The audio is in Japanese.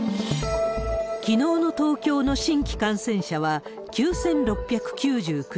きのうの東京の新規感染者は、９６９９人。